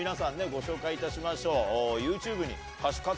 ご紹介いたしましょう。